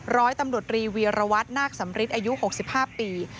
ร้อยตำรวจรีวีรวัตนาคสำริทอายุ๖๕ปี